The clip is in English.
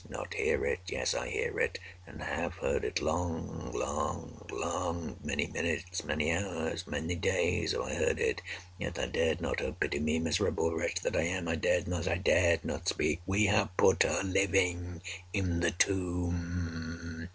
"Not hear it?—yes, I hear it, and have heard it. Long—long—long—many minutes, many hours, many days, have I heard it—yet I dared not—oh, pity me, miserable wretch that I am!—I dared not—I dared not speak! We have put her living in the tomb!